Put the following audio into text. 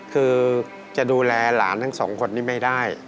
คือจะดูแลหลานทั้งสองคนนี้ไม่ได้